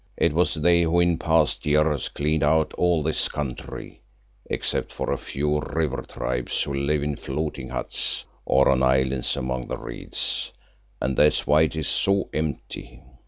It was they who in past years cleaned out all this country, except a few river tribes who live in floating huts or on islands among the reeds, and that's why it is so empty.